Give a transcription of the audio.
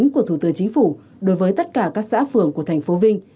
của thủ tướng chính phủ đối với tất cả các xã phường của thành phố vinh